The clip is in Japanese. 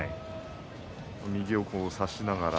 右を差しながら。